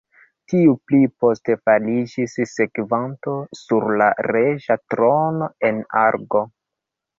Tiu pli poste fariĝis sekvanto sur la reĝa trono en Argo.